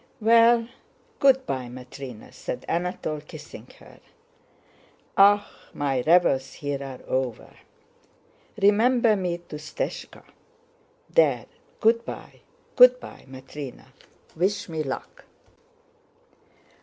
"Well, good by, Matrëna," said Anatole, kissing her. "Ah, my revels here are over. Remember me to Stëshka. There, good by! Good by, Matrëna, wish me luck!"